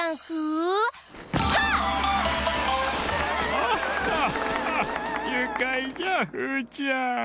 アッハッハッゆかいじゃフーちゃん。